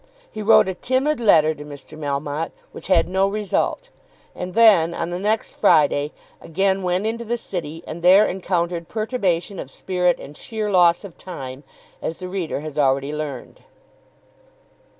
He wrote a timid letter to Mr. Melmotte, which had no result; and then, on the next Friday, again went into the City and there encountered perturbation of spirit and sheer loss of time, as the reader has already learned.